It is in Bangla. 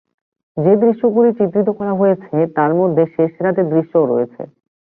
যে দৃশ্যগুলি চিত্রিত করা হয়েছে তার মধ্যে শেষ রাতের দৃশ্যও রয়েছে।